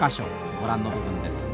ご覧の部分です。